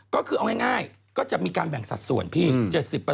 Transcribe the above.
ก็คือเอาง่ายก็จะมีการแบ่งสัดส่วนพี่๗๐